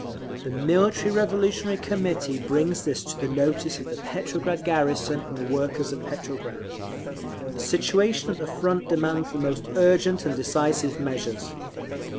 The Military Revolutionary Committee brings this to the notice of the Petrograd garrison and the workers of Petrograd. The situation at the Front demands the most urgent and decisive measures.